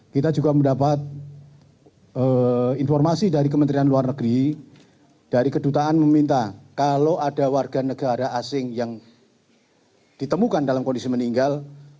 kita juga mendapat informasi dari kementerian luar negeri dari kedutaan meminta kalau ada warga negara asing yang ditemukan dalam kondisi meninggal